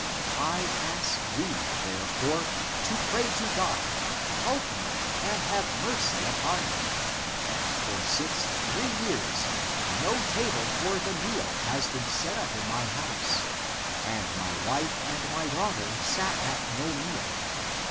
I ask thee, therefore, to pray to God : help me and have mercy upon me ! For since three years no table (for the meal) has been set up in my house, and my wife and my daughter sat at no meal.